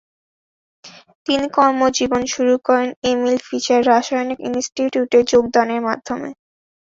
তিনি কর্মজীবন শুরু করেন এমিল ফিশার রাসায়নিক ইনস্টিটিউটে যোগদানের মাধ্যমে।